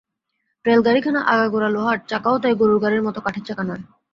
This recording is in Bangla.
রেলগাড়িখানা আগাগোড়া লোহার, চাকাও তাই-গরুর গাড়ির মতো কাঠের চাকা নয়।